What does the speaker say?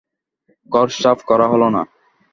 ঘর সাফ করা হল না।